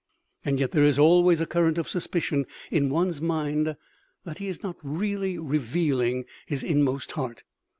And yet there is always a current of suspicion in one's mind that he is not really revealing his inmost heart.